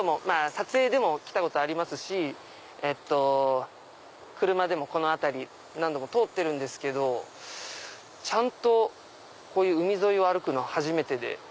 撮影でも来たことありますし車でもこの辺り何度も通ってるんですけどちゃんとこういう海沿いを歩くの初めてで。